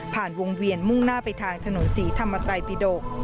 วงเวียนมุ่งหน้าไปทางถนนศรีธรรมไตรปิดก